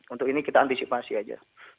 untuk ini kita antisipasi aja